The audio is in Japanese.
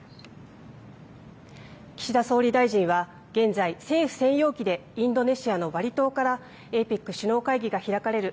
岸田総理大臣は現在、政府専用機でインドネシアのバリ島からＡＰＥＣ首脳会議が開かれる